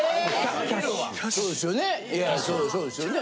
そうですよね。